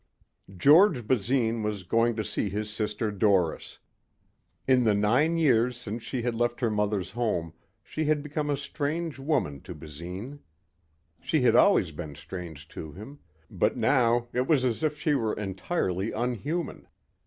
13. George Basine was going to see his sister Doris. In the nine years since she had left her mother's home she had become a strange woman to Basine. She had always been strange to him. But now it was as if she were entirely unhuman.